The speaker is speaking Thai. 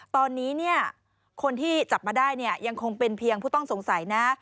ตอนนี้เนี่ยคนที่จับมาได้เนี่ยยังคงเป็นเพียงผู้ต้องสงสัยนะ